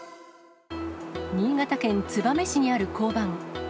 新潟県燕市にある交番。